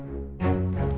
gak kecanduan hp